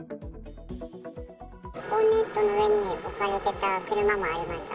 ボンネットの上に置かれてた車もありました。